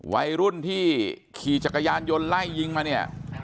วัยรุ่นที่ขี่จักรยานยนต์ไล่ยิงมาเนี่ย